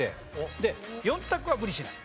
で４択は無理しない。